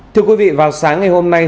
thưa quý vị vào sáng ngày hôm nay